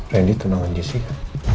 randy tunangan jessica